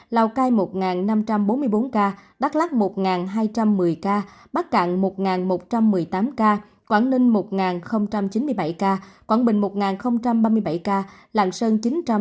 lào cai một năm trăm bốn mươi bốn ca đắk lắc một hai trăm một mươi ca bắc cạn một một trăm một mươi tám ca quảng ninh một chín mươi bảy ca quảng bình một ba mươi bảy ca lạng sơn chín trăm tám mươi tám